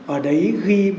ở đấy ghi ba chữ ca ư tư